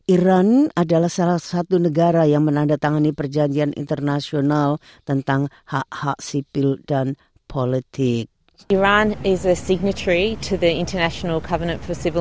iran adalah penyelamat kebenaran internasional untuk hak politik dan civil